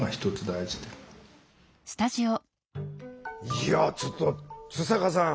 いやちょっと津坂さん